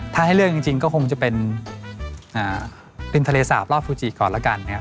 ถ้าให้เลือกจริงก็คงจะเป็นริมทะเลสาบรอบฟูจิก่อนแล้วกันนะครับ